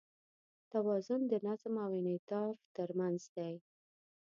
توازن د نظم او انعطاف تر منځ دی.